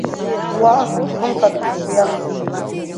Уа, хымԥада, уиашоуп!